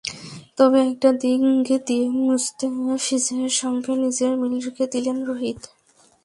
তবে একটা দিক দিয়ে মুস্তাফিজের সঙ্গে নিজের মিল রেখে দিলেন রোহিত।